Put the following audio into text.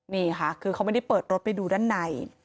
นี่ค่ะคือเขาไม่ได้เปิดรถไปดูด้านใน